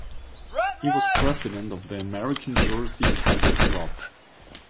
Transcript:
He was president of the American Jersey Cattle Club.